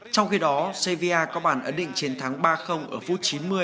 trong khi đó cevia có bản ấn định chiến thắng ba ở phút chín mươi